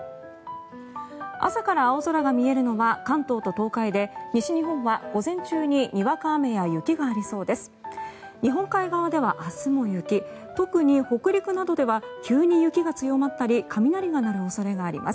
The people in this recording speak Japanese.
朝から青空が見えるのは関東と東海で西日本は午前中ににわか雨や雪がありそうです。